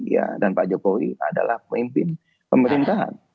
ya dan pak jokowi adalah pemimpin pemerintahan